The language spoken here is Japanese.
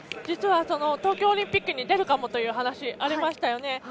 東京オリンピックに出るかもという話がありましたよね。